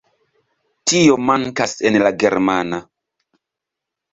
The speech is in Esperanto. Tio mankas en la germana.